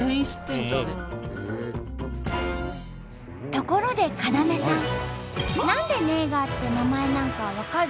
ところで要さん何で「ネイガー」って名前なんか分かる？